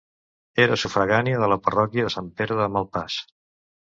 Era sufragània de la parròquia de Sant Pere de Malpàs.